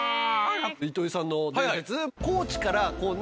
糸井さんの伝説。